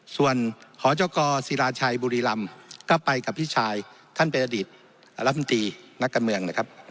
ส่วนหจกศิราชัยบุรีรำก็ไปกับพี่ชายท่านเป็นอดีตรัฐมนตรีนักการเมืองนะครับ